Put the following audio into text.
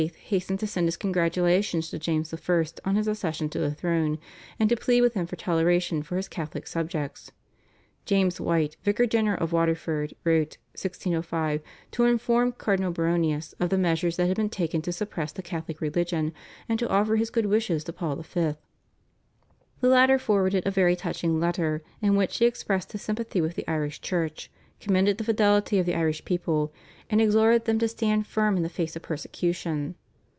hastened to send his congratulations to James I. on his accession to the throne, and to plead with him for toleration for his Catholic subjects. James White, Vicar general of Waterford, wrote (1605) to inform Cardinal Baronius of the measures that had been taken to suppress the Catholic religion and to offer his good wishes to Paul V. The latter forwarded a very touching letter in which he expressed his sympathy with the Irish Church, commended the fidelity of the Irish people, and exhorted them to stand firm in the face of persecution.